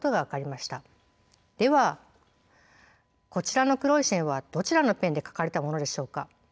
ではこちらの黒い線はどちらのペンで書かれたものでしょうか？